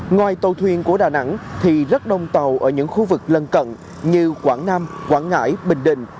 ngoài tàu thuyền của đà nẵng thì rất đông tàu ở những khu vực lân cận như quảng nam quảng ngãi bình định